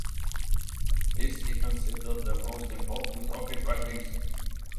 This he considered the most important of his writings.